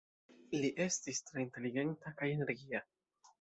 Li estis tre inteligenta kaj energia.